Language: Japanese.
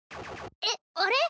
えっあれ？